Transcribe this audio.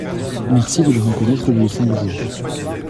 Merci de le reconnaître au bout de cinq jours